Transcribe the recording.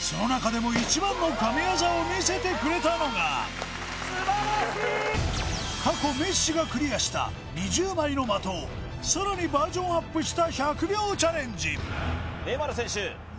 その中でも一番の神業を見せてくれたのが過去メッシがクリアした２０枚の的をさらにバージョンアップした１００秒チャレンジ